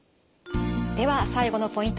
では最後のポイント